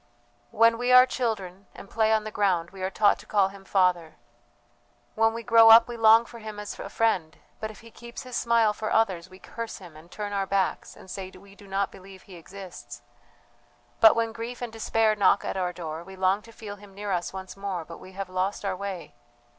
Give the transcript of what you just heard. "When we are children and play on the ground we are taught to call Him Father! When we grow up we long for Him as a friend, but if He keeps His smile for others we curse Him and turn our backs and say we do not believe He exists. But when grief and despair knock at our door, we long to feel Him near us once more, but we have lost our way.